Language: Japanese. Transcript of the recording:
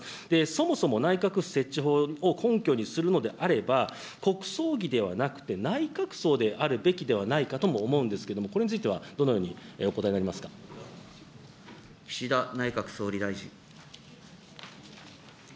そもそも内閣府設置法を根拠にするのであれば、国葬儀ではなくて、内閣葬であるべきではないかとも思うんですけれども、これについては、岸田内閣総理大臣。